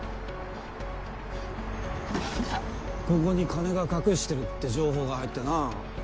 ここに金が隠してるって情報が入ってな。